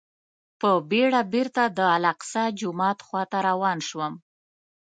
په بېړه بېرته د الاقصی جومات خواته روان شوم.